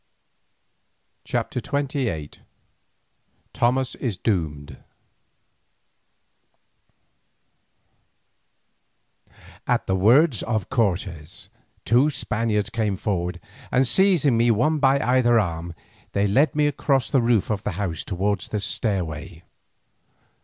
CHAPTER XXVIII THOMAS IS DOOMED At the words of Cortes two Spaniards came forward, and seizing me one by either arm, they led me across the roof of the house towards the stairway.